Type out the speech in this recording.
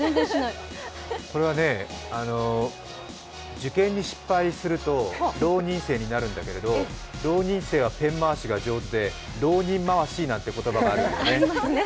これはね、受験に失敗すると浪人生になるんだけれど、浪人生はペン回しが上手で浪人回しなんて言葉があるんだよね。